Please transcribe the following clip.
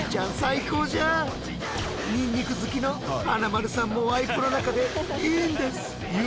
ニンニク好きの華丸さんもワイプの中で「いいんですっ！」言うとるはずじゃ。